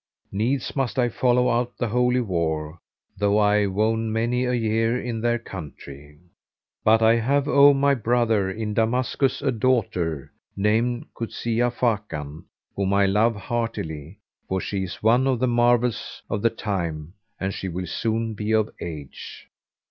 Needs must I follow out the Holy War, though I wone many a year in their country. But I have, O my brother, in Damascus a daughter, named Kuzia Fakan, whom I love heartily for she is one of the marvels of the time and she will soon be of age.'